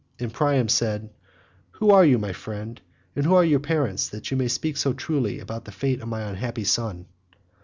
And Priam said, "Who are you, my friend, and who are your parents, that you speak so truly about the fate of my unhappy son?"